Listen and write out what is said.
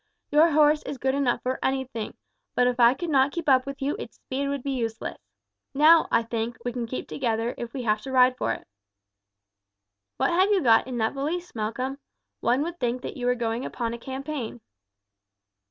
Your horse is good enough for anything; but if I could not keep up with you its speed would be useless. Now, I think, we can keep together if we have to ride for it. "What have you got in that valise, Malcolm? One would think that you were going upon a campaign."